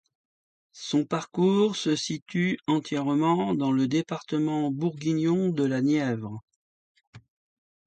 Son parcours se situe entièrement dans le département bourguignon de la Nièvre.